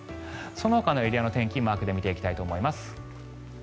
そのほかのエリアの天気マークで見ていきたいと思います。